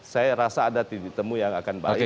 saya rasa ada ditemu yang akan baik